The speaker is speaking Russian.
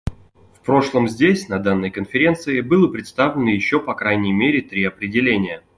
В прошлом здесь, на данной Конференции, было представлено еще по крайней мере три определения.